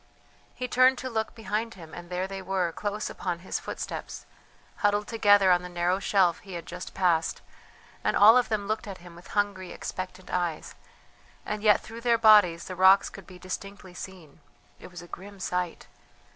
He turned to look behind him and there they were, close upon his footsteps, huddled together on the narrow shelf he had just passed; and all of them looked at him with hungry, expectant eyes; and yet through their bodies the rocks could be distinctly seen. It was a grim sight!